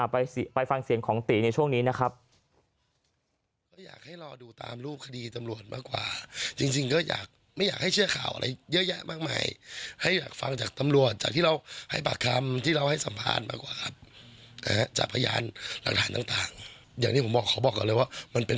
ไปฟังเสียงของตีในช่วงนี้นะครับ